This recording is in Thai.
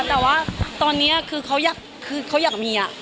แต่ว่าตอนนี้คือเขาอยากมี